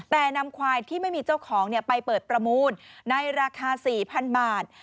แต่นำควายที่ไม่มีเจ้าของไปเปิดประมูลในราคา๔๐๐๐บาท